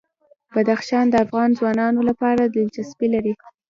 بدخشان د افغان ځوانانو لپاره دلچسپي لري.